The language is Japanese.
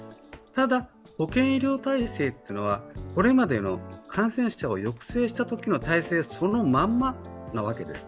ただ、保険医療体制というのはこれまでの感染者を抑制したときの体制そのままなわけです。